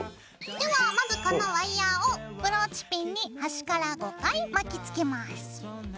ではまずこのワイヤーをブローチピンに端から５回巻きつけます。